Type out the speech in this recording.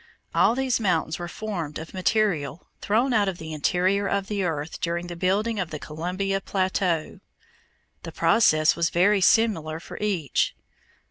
All these mountains were formed of material thrown out of the interior of the earth during the building of the Columbia plateau. The process was very similar for each.